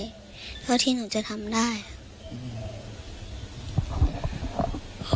เพราะที่หนูจะทำได้อืม